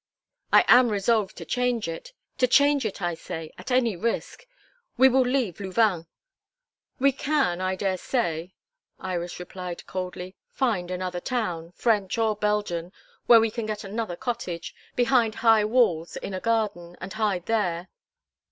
"I am resolved to change it to change it, I say at any risk. We will leave Louvain." "We can, I dare say," Iris replied coldly, "find another town, French or Belgian, where we can get another cottage, behind high walls in a garden, and hide there."